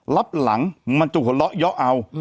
แต่หนูจะเอากับน้องเขามาแต่ว่า